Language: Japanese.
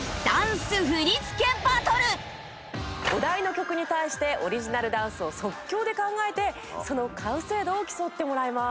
お題の曲に対してオリジナルダンスを即興で考えてその完成度を競ってもらいます。